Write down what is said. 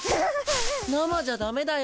生じゃダメだよ。